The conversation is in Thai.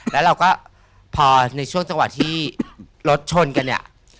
แล้วเราก็พอในช่วงจังหวะที่รถชนกันเนี่ย